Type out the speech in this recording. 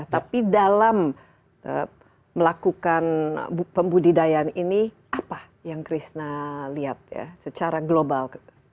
tapi dalam melakukan pembudidayaan ini apa yang krishna lihat ya secara global